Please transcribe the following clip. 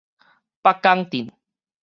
北港鎮